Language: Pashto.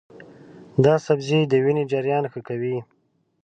دا سبزی د وینې جریان ښه کوي.